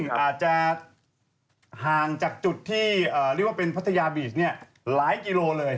อาจจะห่างจากจุดที่เรียกว่าเป็นพัทยาบีชเนี่ยหลายกิโลเลย